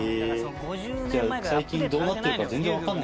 じゃあ最近どうなってるか全然わかんない。